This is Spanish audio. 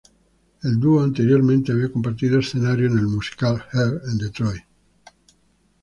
El dúo anteriormente había compartido escenario en el musical "Hair" en Detroit.